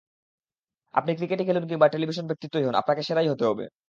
আপনি ক্রিকেটই খেলুন কিংবা টেলিভিশন ব্যক্তিত্বই হোন, আপনাকে সেরাই হতে হবে।